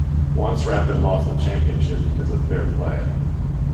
Once Rapid lost the championship because of fair play.